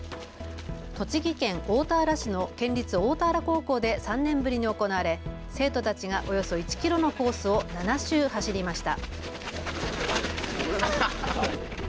栃木県大田原市の県立大田原高校で３年ぶりに行われ生徒たちがおよそ１キロのコースを７周走りました。